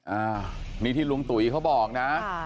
อานี่ที่ลุงตุ๋ยเค้าบอกนะ